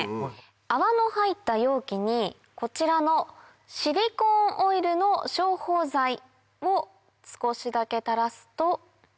泡の入った容器にこちらのシリコーンオイルの消泡剤を少しだけ垂らすと。